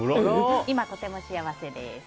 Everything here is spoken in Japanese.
今、とても幸せです。